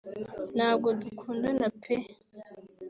« Ntabwo dukundana pe